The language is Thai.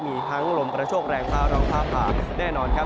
มีทั้งลมกระโชคแรงฟ้าร้องฟ้าผ่าแน่นอนครับ